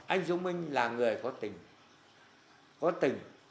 anh dũng minh là người có tình có tình